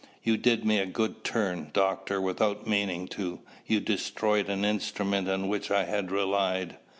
You did me a good turn, Doctor, without meaning to. You destroyed an instrument on which I had relied.